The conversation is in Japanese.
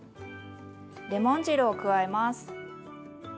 レモン汁を加えます。